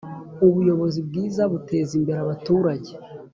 ubuyobozi bwiza butezimbere abaturage.